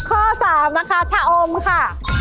ข้อ๓นะคะชะอมค่ะ